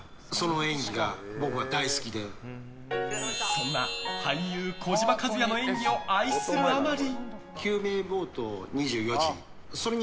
そんな俳優・児嶋一哉の演技を愛するあまり。